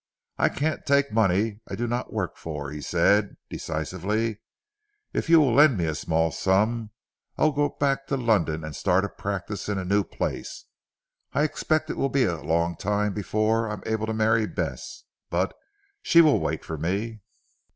"I can't take money I do not work for," he said decisively, "if you will lend me a small sum, I'll go back to London and start a practice in a new place. I expect it will be a long time before I am able to marry Bess. But she will wait for me."